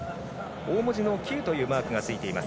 大文字のＱというマークがついています。